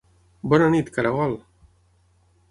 Bona nit, caragol!